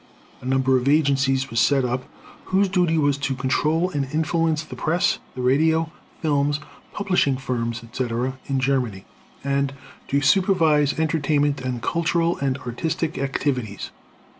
A number of agencies was set up, whose duty was to control and influence the press, the radio, films, publishing firms, etc., in Germany, and to supervise entertainment and cultural and artistic activities.